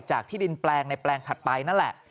ที่ดินแปลงในแปลงถัดไปนั่นแหละ